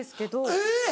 えっ！